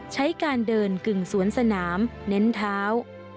ใช้การเดินกึ่งสวนสนามเน้นเท้า